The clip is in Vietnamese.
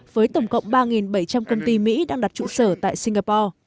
với tổng cộng ba bảy trăm linh công ty mỹ đang đặt trụ sở tại singapore